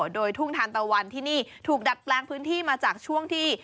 โดยทุ่งทานตะวันที่นี่ถูกดัดแปลงพื้นที่มาจากช่วงที่